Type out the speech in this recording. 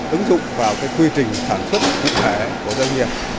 ứng dụng vào quy trình sản xuất cụ thể của doanh nghiệp